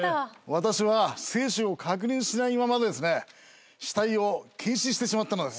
私は生死を確認しないままですね死体を検視してしまったのです。